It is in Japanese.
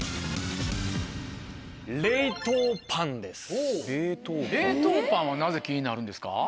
冷凍パンはなぜ気になるんですか？